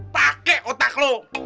pake otak lu